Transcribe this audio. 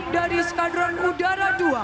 dari skadron udara dua